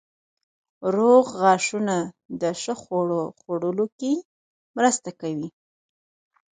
روغ غاښونه د ښه خوړو خوړلو کې مرسته کوي.